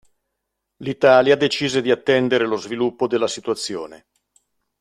L'Italia decise di attendere lo sviluppo della situazione.